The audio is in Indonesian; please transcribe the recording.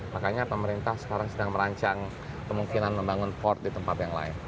makanya pemerintah sekarang sedang merancang kemungkinan membangun port di tempat yang lain